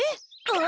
あ！